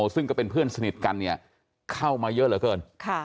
ซึ่งก็เป็นเพื่อนสนิทกันเนี่ยเข้ามาเยอะเหลือเกิน